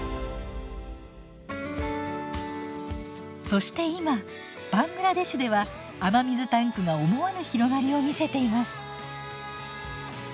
そして今バングラデシュでは雨水タンクが思わぬ広がりを見せています。